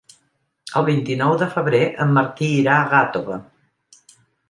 El vint-i-nou de febrer en Martí irà a Gàtova.